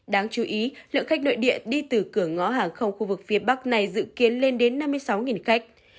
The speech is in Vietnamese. đáng chú ý lượng khách nội địa đi từ cửa ngõ hàng không khu vực phía bắc này dự kiến lên đến năm mươi sáu khách